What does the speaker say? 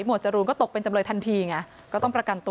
จรูนก็ตกเป็นจำเลยทันทีไงก็ต้องประกันตัว